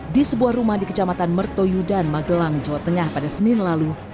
di sebuah rumah di kecamatan mertoyudan magelang jawa tengah pada senin lalu